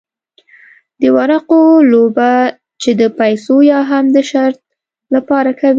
د ورقو لوبه چې د پیسو یا هم د شرط لپاره کوي.